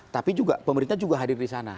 tapi juga pemerintah juga hadir di sana